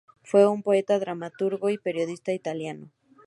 Fue un poeta, dramaturgo y periodista italiano.